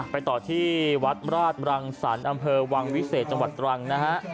ไปต่อที่วัดราชบรังสรรค์อำเภอวังวิเศษจังหวัดตรังนะฮะ